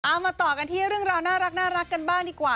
มาต่อกันที่เรื่องราวน่ารักกันบ้างดีกว่า